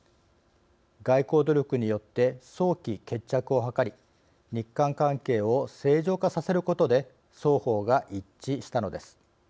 外交努力によって早期決着を図り日韓関係を正常化させることで双方が一致したのです。